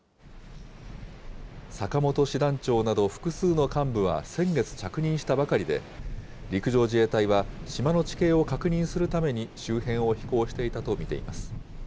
坂本師団長など複数の幹部は先月着任したばかりで、陸上自衛隊は島の地形を確認するために周辺を飛行していたと見ています。